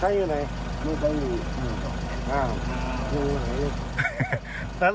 จริงอยู่ไหน